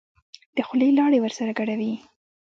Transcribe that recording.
د خولې لاړې ورسره ګډوي.